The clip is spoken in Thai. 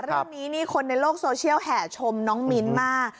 เรื่องนี้นี่คนในโลกโซเชียลแห่ชมน้องมิ้นมาก